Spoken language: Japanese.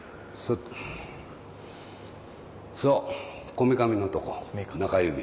こめかみのとこ中指。